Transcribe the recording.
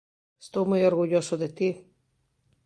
Estou moi orgulloso de ti.